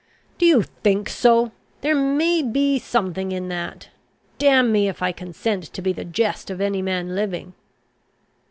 "Do you think so? there may be something in that. Damn me, if I consent to be the jest of any man living."